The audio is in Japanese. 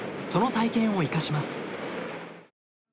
その体験を生かします。